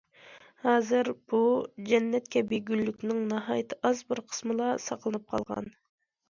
ھازىر بۇ جەننەت كەبى گۈللۈكنىڭ ناھايىتى ئاز بىر قىسمىلا ساقلىنىپ قالغان.